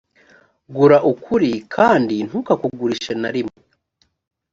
gura ukuri kandi ntukakugurishe ntarimwe.